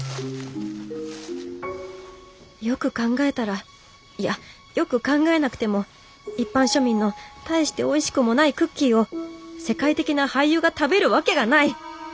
よく考えたらいやよく考えなくても一般庶民の大しておいしくもないクッキーを世界的な俳優が食べるわけがない！